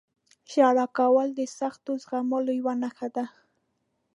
• ژړا کول د سختیو زغملو یوه نښه ده.